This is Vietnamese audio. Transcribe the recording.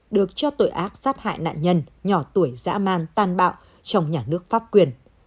được cho tội ác sát hại nạn nhân nhỏ tuổi dã man tan bạo trong nhà nước pháp quyền